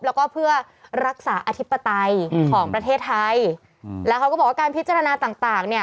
แล้วก็เพื่อรักษาอธิปไตยของประเทศไทยแล้วเขาก็บอกว่าการพิจารณาต่างต่างเนี่ย